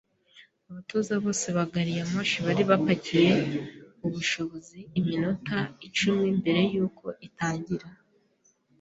Abatoza bose ba gari ya moshi bari bapakiye ubushobozi iminota icumi mbere yuko itangira.